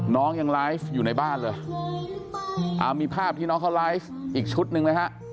น้องยังไลฟ์อยู่ในบ้านเหรอมีภาพที่เขาไลฟ์อีกชุดหนึ่งแล้วฮะ